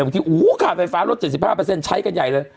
อย่างที่อู๋ข่าวไฟฟ้ารลด๗๕ใช้กันใหญ่เลย